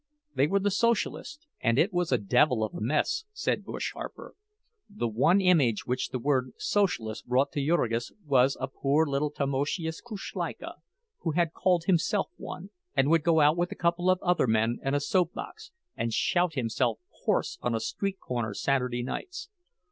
They were the Socialists; and it was a devil of a mess, said "Bush" Harper. The one image which the word "Socialist" brought to Jurgis was of poor little Tamoszius Kuszleika, who had called himself one, and would go out with a couple of other men and a soap box, and shout himself hoarse on a street corner Saturday nights.